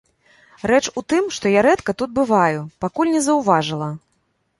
Рэч у тым, што я рэдка тут бываю, пакуль не заўважыла.